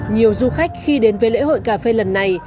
nhiều du khách khi đến với lễ hội cà phê lần này